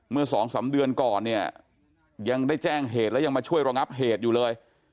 เมื่อสองสามเดือนก่อนเนี่ยยังได้แจ้งเหตุและยังมาช่วยระงับเหตุอยู่เลย